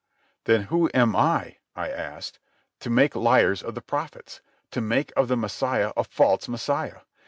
"Then who am I," I asked, "to make liars of the prophets? to make of the Messiah a false Messiah?